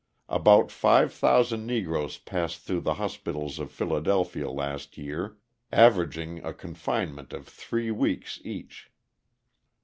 About 5,000 Negroes passed through the hospitals of Philadelphia last year, averaging a confinement of three weeks each.